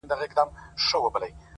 دا دی د ژوند و آخري نفس ته ودرېدم،